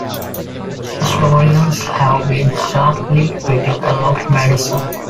Historians have been sharply critical of Madison.